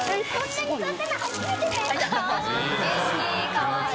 かわいい。